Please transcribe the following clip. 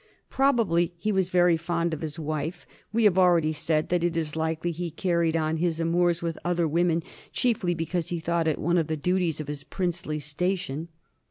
Probably he was very fond of his wife ; we have already said that it is likely he carried on his amours with other women chiefly because he thought it one of the duties of his princely station.